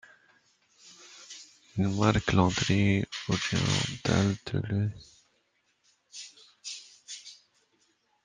Il marque l'entrée orientale de l'Eyjafjörður.